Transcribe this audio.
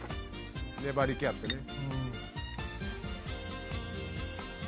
粘り気あってね。